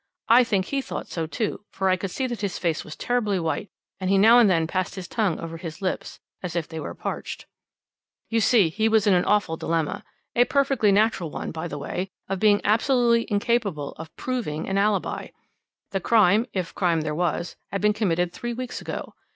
I think he thought so, too, for I could see that his face was terribly white, and he now and then passed his tongue over his lips, as if they were parched. "You see he was in the awful dilemma a perfectly natural one, by the way of being absolutely incapable of proving an alibi. The crime if crime there was had been committed three weeks ago.